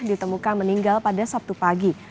ditemukan meninggal pada sabtu pagi